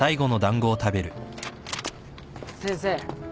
先生。